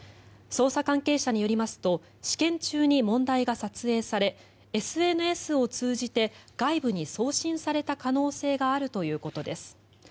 捜査関係者によりますと試験中に問題が撮影されＳＮＳを通じて外部に送信された可能性があるということです。